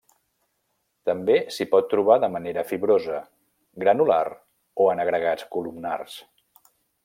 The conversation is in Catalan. També s'hi pot trobar de manera fibrosa, granular o en agregats columnars.